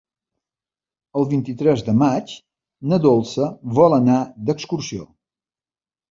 El vint-i-tres de maig na Dolça vol anar d'excursió.